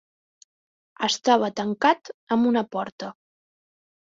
Estava tancat amb una porta.